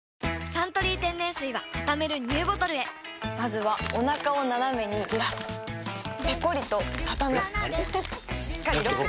「サントリー天然水」はたためるＮＥＷボトルへまずはおなかをナナメにずらすペコリ！とたたむしっかりロック！